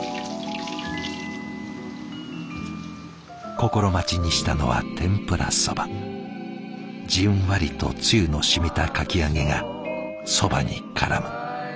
心待ちにしたのはじんわりとつゆのしみたかき揚げがそばにからむ。